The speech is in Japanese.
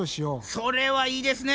それはいいですね。